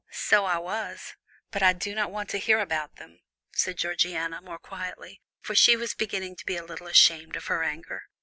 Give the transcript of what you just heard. "So I was, but I do not want to hear about them," said Georgiana, more quietly, for she was beginning to be a little ashamed of her anger.